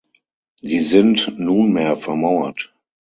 Sie sind nunmehr vermauert.